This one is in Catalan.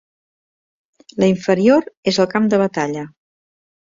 La inferior és el camp de batalla.